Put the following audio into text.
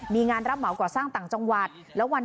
มีงานรับเหมาก่อสร้างต่างจังหวัดแล้ววัน